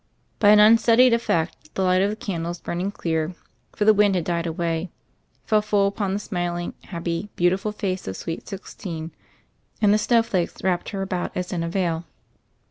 By an unstudied effect, the light of the candles burn ing clear — for the wind had died away — fell full upon the smiling, happy, beautiful face of sweet sixteen, and the snowflakes wrapped her about as in a veil.